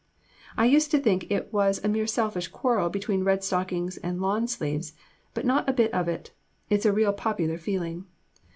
I used to think it was a mere selfish quarrel between red stockings and lawn sleeves; but not a bit of it; it's a real popular feeling.